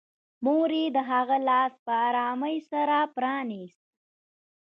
مور یې د هغه لاس په ارامۍ سره پرانيست